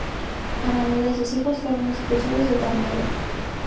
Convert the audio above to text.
Ana Neda y sus hijos fueron expulsados de Tarnovo.